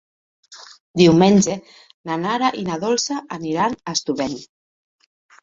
Diumenge na Nara i na Dolça aniran a Estubeny.